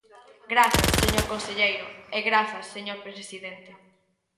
Grazas, señor conselleiro, e grazas, señor presidente.